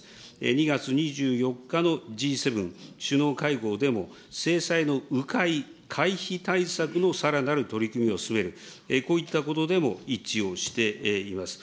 ２月２４日のＧ７首脳会合でも、制裁のう回、回避対策のさらなる取り組みを進める、こういったことでも一致をしています。